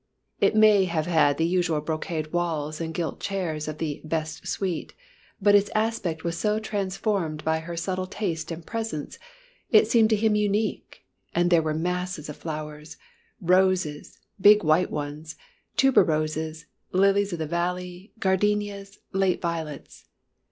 It may have had the usual brocade walls and gilt chairs of the "best suite," but its aspect was so transformed by her subtle taste and presence, it seemed to him unique, and there were masses of flowers roses, big white ones tuberoses lilies of the valley, gardenias, late violets.